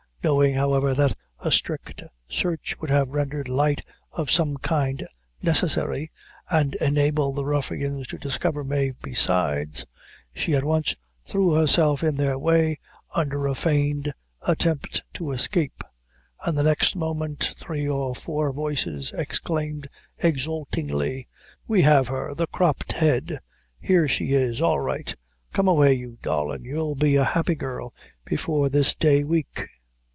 Knowing, however, that a strict search would have rendered light of some kind necessary, and enable the ruffians to discover Mave besides, she, at once, threw herself in their way, under a feigned attempt to escape, and the next moment three or four voices exclaimed, exultingly, "we have her the cropped head here she is all's right come away; you darlin', you'll be a happy girl before this day week!"